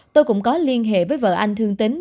tôi cũng có liên hệ với vợ anh thương tính